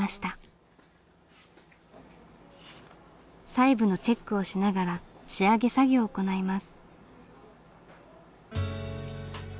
細部のチェックをしながら仕上げ作業を行います。